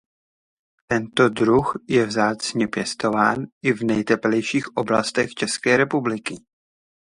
Tento druh je vzácně pěstován i v nejteplejších oblastech České republiky.